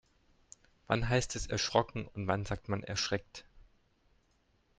Wann heißt es erschrocken und wann sagt man erschreckt?